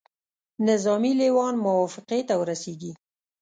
نظامي لېوان موافقې ته ورسیږي.